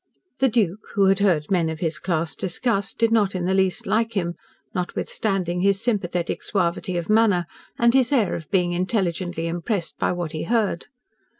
The Duke, who had heard men of his class discussed, did not in the least like him, notwithstanding his sympathetic suavity of manner and his air of being intelligently impressed by what he heard.